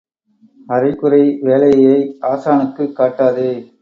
அரை குறை வேலையை ஆசானுக்குக் காட்டாதே.